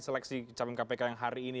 seleksi capim kpk yang hari ini